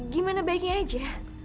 gimana baiknya aja